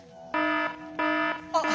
あっ！